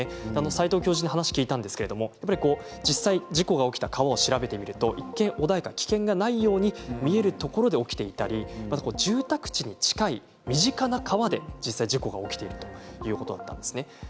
斎藤教授に話を聞きましたが実際事故が起きた川を調べると一見穏やかで危険がないように見えるところで起きていたり住宅地に近い身近な川で実際に事故が起きているということなんですね。